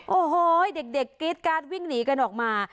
โอ้โหเด็กกรี๊ดการ์ดวิ่งหนีกันออกมา